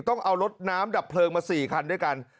ต้องเอารถน้ำดับเพลิงมา๔คันด้วยกัน